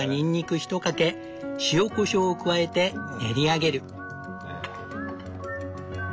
１かけ塩・こしょうを加えて練り上げる。